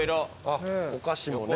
お菓子のね